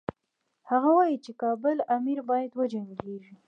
هغه وايي چې کابل امیر باید وجنګیږي.